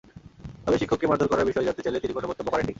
তবে শিক্ষককে মারধর করার বিষয়ে জানতে চাইলে তিনি কোনো মন্তব্য করেননি।